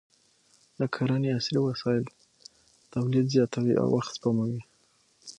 د کرنې عصري وسایل تولید زیاتوي او وخت سپموي.